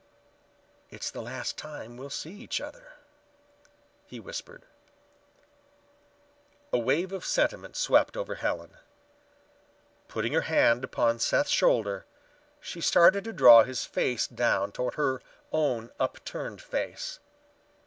"It's the last time we'll see each other," he whispered. A wave of sentiment swept over Helen. Putting her hand upon Seth's shoulder, she started to draw his face down toward her own upturned face.